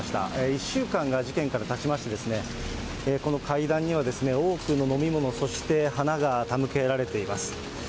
１週間が事件からたちましてですね、この階段には、多くの飲み物、そして花が手向けられています。